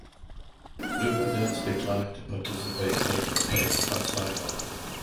Luverdense declined to participate being replaced by Sinop.